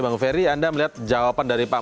bang ferry anda melihat jawaban dari pak mas hinder